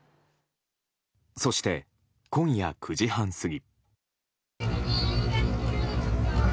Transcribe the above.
そして、今夜９時半過ぎ。